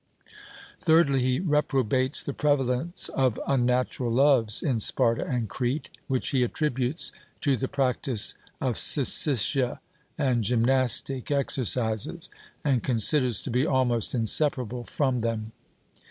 Thirdly, he reprobates the prevalence of unnatural loves in Sparta and Crete, which he attributes to the practice of syssitia and gymnastic exercises, and considers to be almost inseparable from them.